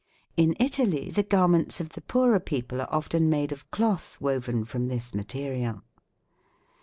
In Italy the garments of the poorer people are often made of cloth woven from this material."